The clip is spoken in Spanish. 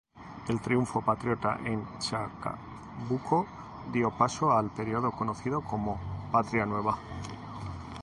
El triunfo patriota en Chacabuco dio paso al periodo conocido como "Patria Nueva".